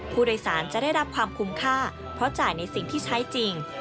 ผู้โดยสารจะได้รับความคุ้มค่าเพราะจ่ายในสิ่งที่ใช้จริง